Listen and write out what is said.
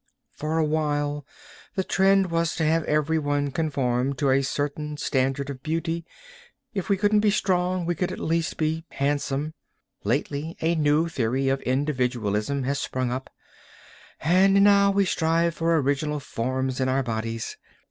For a while the trend was to have everyone conform to a certain standard of beauty; if we couldn't be strong, we could at least be handsome. Lately a new theory of individualism has sprung up, and now we strive for original forms in our bodies.